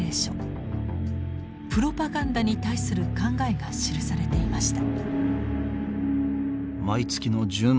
プロパガンダに対する考えが記されていました。